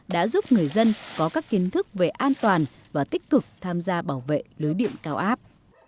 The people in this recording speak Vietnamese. đã giúp người dân có các kiến thức về an toàn và tích cực tham gia bảo vệ lưới điện cao áp